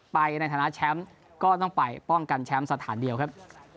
ในฐานะแชมป์ก็ต้องไปป้องกันแชมป์สถานเดียวครับ